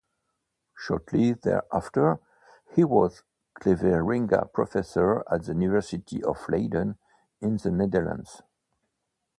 Shortly thereafter, he was Cleveringa Professor at the University of Leiden in the Netherlands.